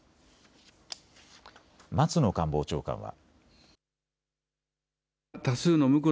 松野官房長官は。